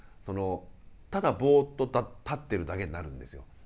ただボッと立ってるだけになるんですよ。